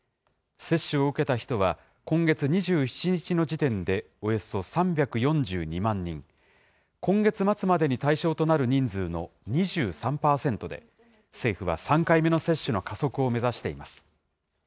接種を受けた人は、今月２７日の時点で、およそ３４２万人、今月末までに対象となる人数の２３％で、政府は３回目の接種の加速を目指しています。